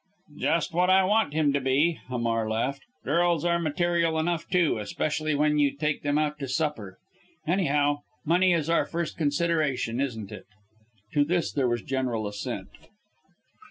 "Just what I want him to be!" Hamar laughed. "Girls are material enough too especially when you take them out to supper. Anyhow, money is our first consideration, isn't it?" To this there was general assent.